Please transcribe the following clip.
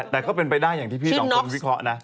แต่ก็เป็นไปได้อย่างที่พี่สองคนวิเคราะห์นะ